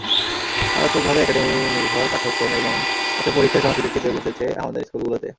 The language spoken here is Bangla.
মারাত্মকভাবে একাডেমি-নির্ভর পাঠ্যক্রম এবং একটা পরীক্ষার সংস্কৃতি চেপে বসেছে আমাদের স্কুলগুলোতে।